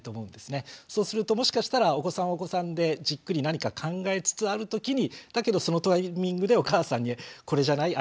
そうするともしかしたらお子さんはお子さんでじっくり何か考えつつあるときにだけどそのタイミングでお母さんにこれじゃない？